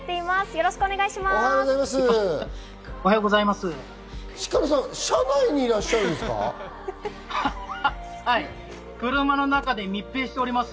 よろしくお願いします。